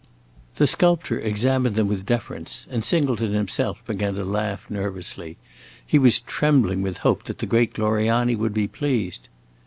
The sculptor examined them with deference, and Singleton himself began to laugh nervously; he was trembling with hope that the great Gloriani would be pleased.